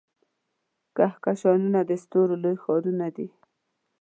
کهکشانونه د ستورو لوی ښارونه دي.